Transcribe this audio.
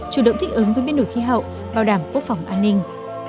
chủ động thích ứng với biến đổi khí hậu bảo đảm quốc phòng an ninh